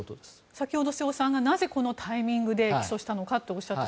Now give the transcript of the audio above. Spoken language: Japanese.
先ほど瀬尾さんがなぜこのタイミングでとおっしゃった。